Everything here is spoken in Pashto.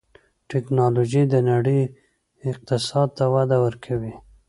ټکنالوجي د نړۍ اقتصاد ته وده ورکوي.